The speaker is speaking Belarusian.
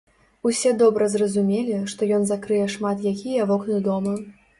Усе добра зразумелі, што ён закрые шмат якія вокны дома.